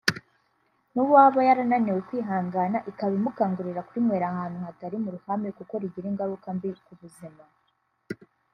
n’uwaba yarananiwe kwihangana ikaba imukangurira kurinywera ahantu hatari mu ruhame kuko rigira ingaruka mbi ku buzima